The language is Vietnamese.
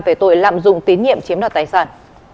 về tội lạm dụng tín nhiệm chiếm đoạt tài sản